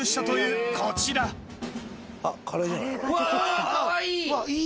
うわいい。